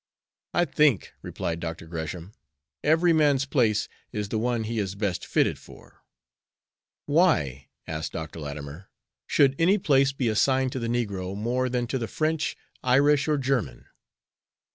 "I think," replied Dr. Gresham, "every man's place is the one he is best fitted for." "Why," asked Dr. Latimer, "should any place be assigned to the negro more than to the French, Irish, or German?"